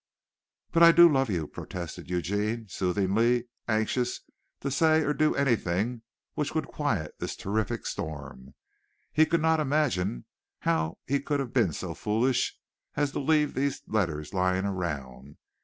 "But I do love you," protested Eugene soothingly, anxious to say or do anything which would quiet this terrific storm. He could not imagine how he could have been so foolish as to leave these letters lying around.